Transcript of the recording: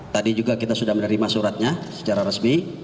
tadi juga kita sudah menerima suratnya secara resmi